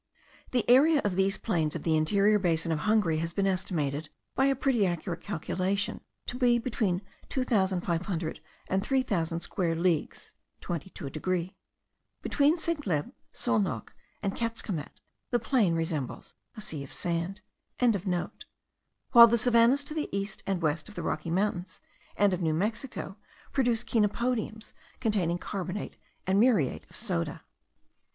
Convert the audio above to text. The area of these plains of the interior basin of Hungary has been estimated, by a pretty accurate calculation, to be between two thousand five hundred and three thousand square leagues (twenty to a degree). Between Czegled, Szolnok, and Ketskemet, the plain resembles a sea of sand.) while the savannahs to the east and west of the Rocky Mountains and of New Mexico produce chenopodiums containing carbonate and muriate of soda.